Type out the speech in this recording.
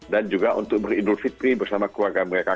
dan juga untuk beridul fitri bersama keluarga mereka